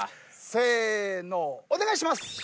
せーのお願いします！